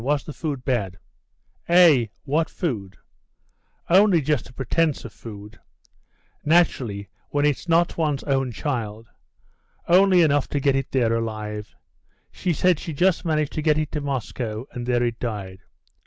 Was the food bad?" "Eh, what food? Only just a pretence of food. Naturally, when it's not one's own child. Only enough to get it there alive. She said she just managed to get it to Moscow, and there it died.